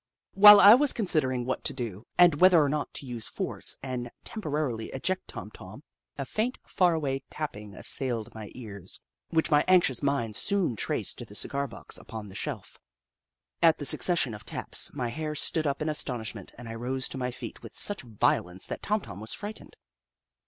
While I was considering what to do. Little Upsidaisi 17 and whether or not to use force and tempor arily eject Tom Tom, a faint, far away tapping assailed my ears, which my anxious mind soon traced to the cigar box upon the shelf. At the succession of taps, my hair stood up in astonishment and I rose to my feet with such violence that Tom Tom was frightened.